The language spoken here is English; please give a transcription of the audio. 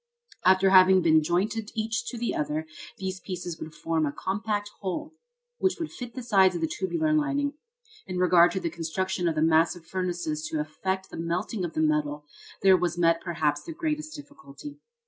After having been jointed each to the other, these pieces would form a compact whole, which would fit the sides of the tubular lining. In regard to the construction of the massive furnaces to effect the melting of the metal, there was met perhaps the greatest difficulty.